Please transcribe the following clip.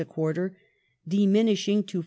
a quarter, diminishing to 4s.